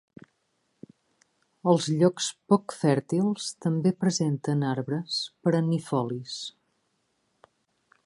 Els llocs poc fèrtils també presenten arbres perennifolis.